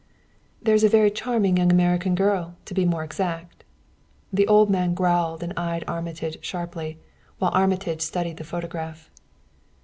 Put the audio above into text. "There's a very charming young American girl, to be more exact." The old man growled and eyed Armitage sharply, while Armitage studied the photograph.